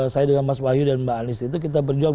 saya dengan mas wahyu dan mbak anies itu kita berjuang